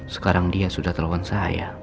sekarang dia sudah terlalu nsaya